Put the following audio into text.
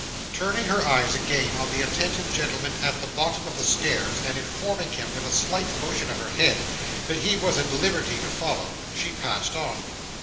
Turning her eyes again on the attentive gentleman at the bottom of the stairs, and informing him with a slight motion of her head, that he was at liberty to follow, she passed on.